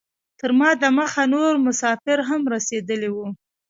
تر ما دمخه نور مسافر هم رسیدلي وو.